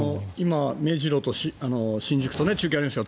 今、目白と新宿と中継がありました。